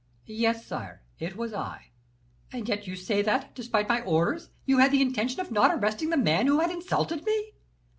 "Yes, sire; it was I." "And yet you say that, despite my orders, you had the intention of not arresting the man who had insulted me!"